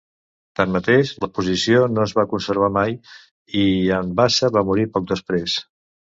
Tanmateix, la posició no es va conservar mai, i Anbasa va morir poc després.